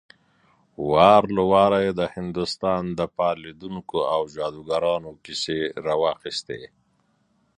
وار له واره يې د هندوستان د فال ليدونکو او جادوګرانو کيسې راواخيستې.